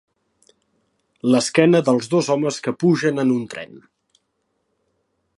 L'esquena dels dos homes que pugen en un tren.